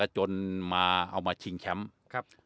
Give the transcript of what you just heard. จนเอามาชิงแชมป์